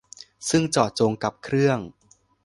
ซึ่งเจาะจงกับเครื่อง